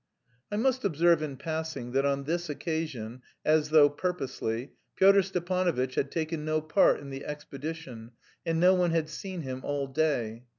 I must observe in passing that on this occasion, as though purposely, Pyotr Stepanovitch had taken no part in the expedition, and no one had seen him all day.